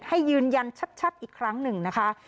ยืนยันชัดอีกครั้งหนึ่งนะคะ